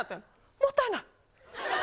もったいない。